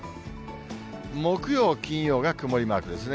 木曜、金曜が曇りマークですね。